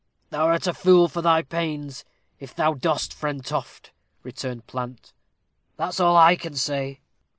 "Thou'rt a fool for thy pains, if thou dost, Friend Toft," returned Plant, "that's all I can say."